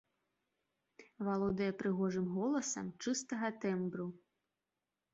Валодае прыгожым голасам чыстага тэмбру.